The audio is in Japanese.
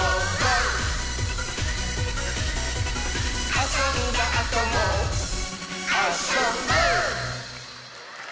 「あそんだあともあ・そ・ぼっ」